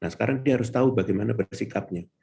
nah sekarang dia harus tahu bagaimana bersikapnya